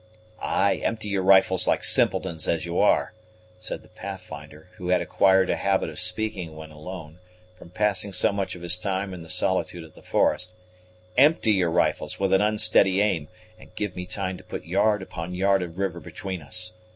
"Ay, empty your rifles like simpletons as you are," said the Pathfinder, who had acquired a habit of speaking when alone, from passing so much of his time in the solitude of the forest; "empty your rifles with an unsteady aim, and give me time to put yard upon yard of river between us.